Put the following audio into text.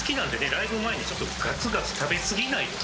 ライブ前にちょっとガツガツ食べすぎないっていうね。